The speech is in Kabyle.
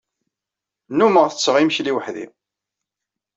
Nnummeɣ setteɣ imekli weḥd-i.